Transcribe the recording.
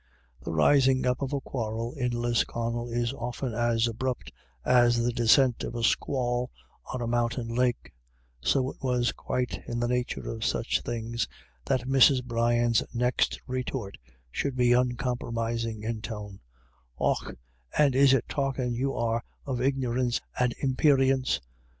The rising up of a quarrel in Lisconnel is often as abrupt as the descent of a squall on a mountain lake ; so it was quite in the nature of such things that Mrs. Brian's next retort should be uncom promising in tone :" Och, and is it talkin' you are of ignorince and imperince?